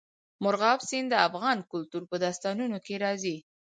مورغاب سیند د افغان کلتور په داستانونو کې راځي.